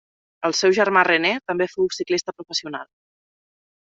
El seu germà René també fou ciclista professional.